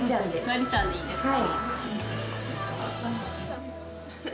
典ちゃんでいいですか？